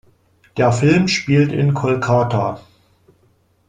Der Film spielt in Kolkata.